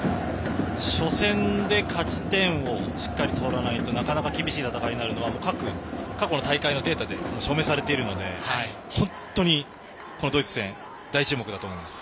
初戦で勝ち点をしっかり取らないとなかなか厳しい戦いになるのは過去の大会のデータで証明されているので本当に、このドイツ戦大注目だと思います。